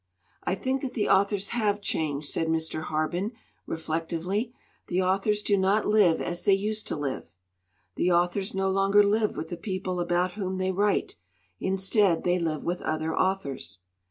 "I think that the authors have changed," said Mr. Harben, reflectively. "The authors do not live as they used to live. "The authors no longer live with the people about whom they write. Instead, they live with other authors.